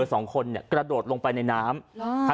สองคนกระโดดลงไปในน้ำ